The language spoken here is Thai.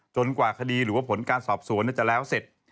กว่าคดีหรือว่าผลการสอบสวนจะแล้วเสร็จ